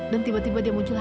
dan tiba tiba dia muncul lagi